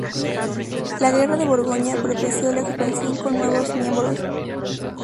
La Guerra de Borgoña propició la expansión con nuevos miembros.